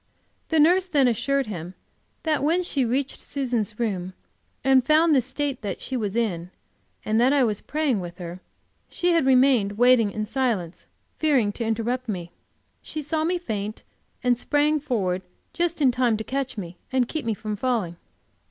The nurse then assured him that when she reached Susan's room and found the state that she was in, and that I was praying with her, she had remained waiting in silence, fearing to interrupt me. She saw me faint, and sprang forward just in time to catch me and keep me from falling.